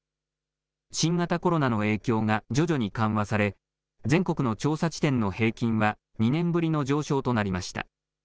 新型コロナの影響が徐々に緩和され、全国の調査地点の平均は２年ぶりの上昇となりました。